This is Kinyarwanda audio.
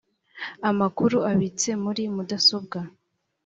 amakuru abitse muri mudasobwa